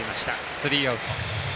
スリーアウト。